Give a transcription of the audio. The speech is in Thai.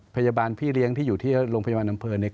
พยาบาลพี่เลี้ยงที่อยู่ที่โรงพยาบาลอำเภอเนี่ย